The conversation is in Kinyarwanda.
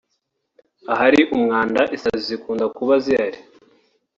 Ahari umwanda isazi zikunda kuba zihari